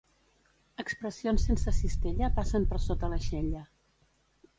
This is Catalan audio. Expressions sense cistella passen per sota l'aixella.